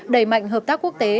đẩy mạnh hợp tác quốc tế